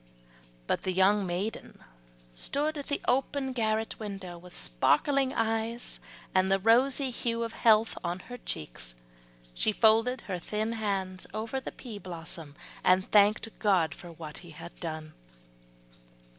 But the young maiden stood at the open garret window, with sparkling eyes and the rosy hue of health on her cheeks, she folded her thin hands over the pea blossom, and thanked God for what He had done.